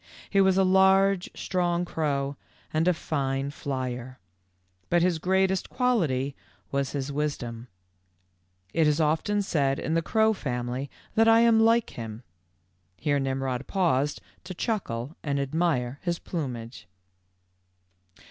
He was a large, strong crow, and a fine flyer. But his greatest quality was his wisdom. It is often said in the crow family that I am like him." Here Nimrod paused to chuckle and admire his plumage.